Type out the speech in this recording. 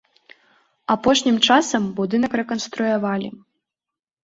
Апошнім часам будынак рэканструявалі.